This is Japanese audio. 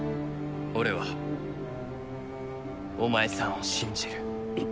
俺はお前さんを信じる。